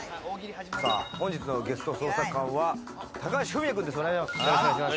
本日のゲスト捜査官は高橋文哉くんです。